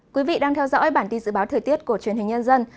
quý vị đang theo dõi bản tin dự báo thời tiết của truyền hình nhân dân